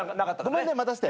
ごめんね待たせて。